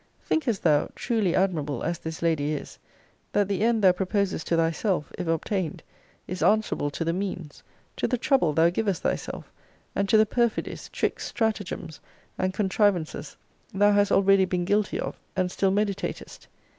Thinkest thou, truly admirable as this lady is, that the end thou proposest to thyself, if obtained, is answerable to the means, to the trouble thou givest thyself, and to the perfidies, tricks, stratagems, and contrivances thou has already been guilty of, and still meditatest?